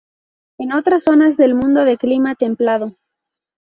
En otras zonas del mundo de clima templado.